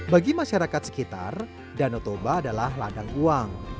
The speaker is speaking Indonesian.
bagi masyarakat sekitar danau toba adalah ladang uang